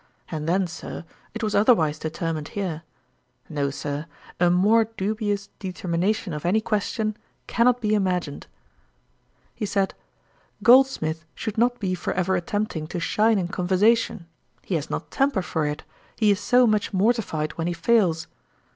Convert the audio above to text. And then, Sir, it was otherwise determined here. No, Sir, a more dubious determination of any question cannot be imagined.' He said, 'Goldsmith should not be for ever attempting to shine in conversation: he has not temper for it, he is so much mortified when he fails.